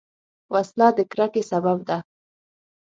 وسله د کرکې سبب ده